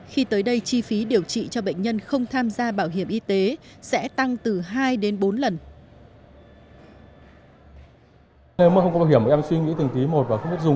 khi tới đây chi phí điều trị cho bệnh nhân không tham gia bảo hiểm y tế sẽ tăng từ hai đến bốn lần